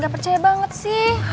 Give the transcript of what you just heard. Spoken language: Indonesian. gak percaya banget sih